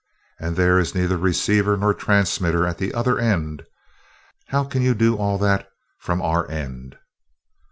And there is neither receiver nor transmitter at the other end. How can you do all that from our end?"